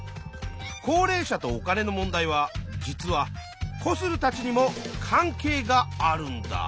高齢者とお金の問題は実はコスルたちにも関係があるんだ。